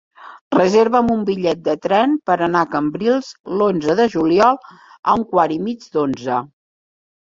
Reserva'm un bitllet de tren per anar a Cambrils l'onze de juliol a un quart i mig d'onze.